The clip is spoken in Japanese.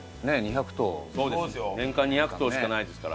年間２００頭しかないですから。